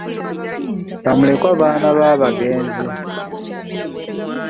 Ba mulekwa baana b'abagenzi.